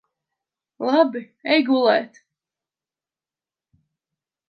Labi. Ej gulēt.